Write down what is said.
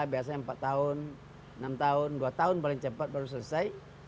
biasanya empat tahun enam tahun dua tahun paling cepat baru selesai